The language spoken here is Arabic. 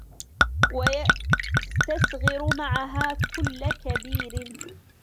وَيَسْتَصْغِرُ مَعَهَا كُلَّ كَبِيرٍ